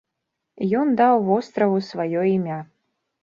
Ён даў востраву сваё імя.